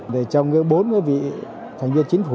trong bốn các vị thành viên chính phủ